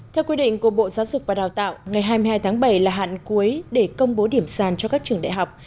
theo quy định của bộ giáo dục và đào tạo ngày hai mươi hai tháng bảy là hạn cuối để công bố điểm sàn cho các trường đại học